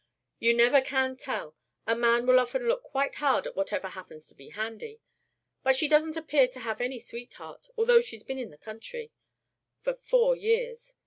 "You never can tell. A man will often look quite hard at whatever happens to be handy. But she doesn't appear to have any sweetheart, although she's been in the country for four years.